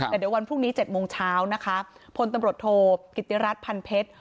แต่เดี๋ยววันพรุ่งนี้๗โมงเช้านะคะพลตำรวจโทกิติรัฐพันเพชร